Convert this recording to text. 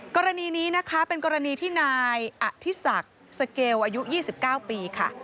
กรณีนี้นะคะเป็นกรณีที่นายอธิศักดิ์สเกลอายุ๒๙ปีค่ะ